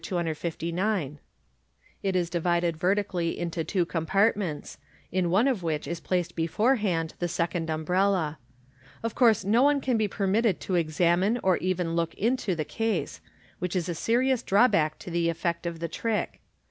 259). It is divided vertically into two compartments, in one of which is placed beforehand the second umbrella. Of course no one can be permitted to examine or even look into the case, which is a serious drawback to the en\ ct of the trick.